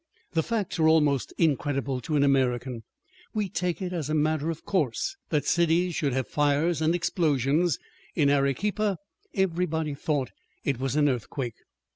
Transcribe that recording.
The facts are almost incredible to an American. We take it as a matter of course that cities should have fires and explosions. In Arequipa everybody thought it was an earthquake!